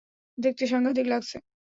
দেখতে সাংঘাতিক লাগছে।